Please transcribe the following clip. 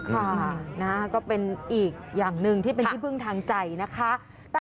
ค่ะนะก็เป็นอีกอย่างหนึ่งที่เป็นที่พึ่งทางใจนะคะ